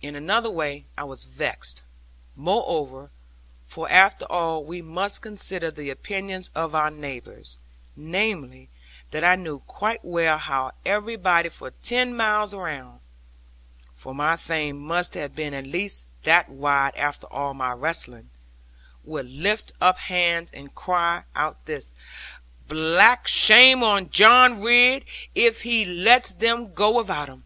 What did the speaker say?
In another way I was vexed, moreover for after all we must consider the opinions of our neighbours namely, that I knew quite well how everybody for ten miles round (for my fame must have been at least that wide, after all my wrestling), would lift up hands and cry out thus 'Black shame on John Ridd, if he lets them go without him!'